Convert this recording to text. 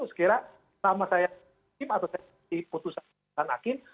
sekiranya selama saya diputuskan hakim